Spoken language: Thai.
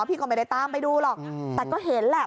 พี่ก็ไม่ได้ตามไปดูหรอกแต่ก็เห็นแหละ